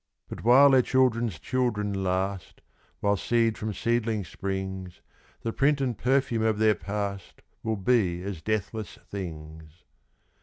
But while their children's children last, While seed from seedling springs, The print and perfume of their past Will be as deathless things.